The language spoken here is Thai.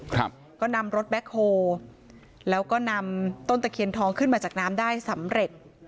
ครับก็นำรถแบ็คโฮแล้วก็นำต้นตะเคียนทองขึ้นมาจากน้ำได้สำเร็จ